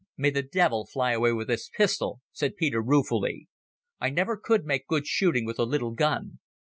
"May the devil fly away with this pistol," said Peter ruefully. "I never could make good shooting with a little gun.